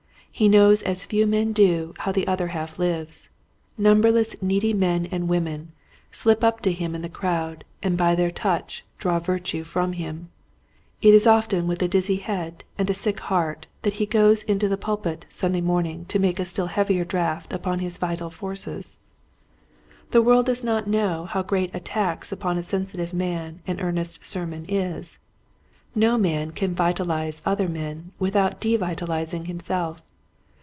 He knows as few men do how the other half lives. Numberless needy men and women slip up to him in the crowd and by their touch draw virtue from him. It is often with a dizzy head and a sick heart that he goes into the pulpit Sunday morning to make a still heavier draft upon his vital forces. ']6 Quiet Hints to Growing Preachers. The world does not know how great a tax upon a sensitive man an earnest sermon is. No man can vitalize other men without devitalizing himself.